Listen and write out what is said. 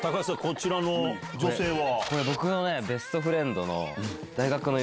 こちらの女性は。